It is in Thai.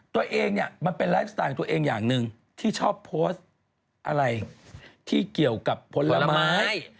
ตัวเองเนี่ยมันเป็นไลฟ์สไตล์ของตัวเองอย่างหนึ่งที่ชอบโพสต์อะไรที่เกี่ยวกับผลไม้